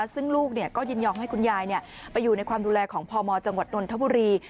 ซึ่งลูกก็ยินยอมให้คุณยายไปอยู่ในความดูแลของพมจังหวัดนนทบุรี